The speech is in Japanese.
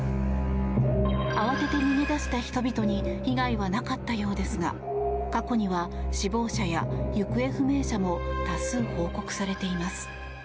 慌てて逃げ出した人々に被害はなかったようですが過去には死亡者や行方不明者も多数報告されています。